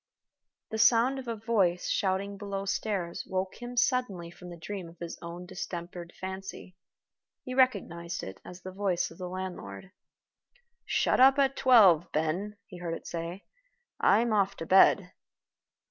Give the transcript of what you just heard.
The sound of a voice shouting below stairs woke him suddenly from the dream of his own distempered fancy. He recognized it as the voice of the landlord. "Shut up at twelve, Ben," he heard it say. "I'm off to bed."